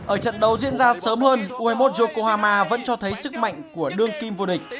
ở trận đấu diễn ra sớm hơn u hai mươi một yokohama vẫn cho thấy sức mạnh của đương kim vua địch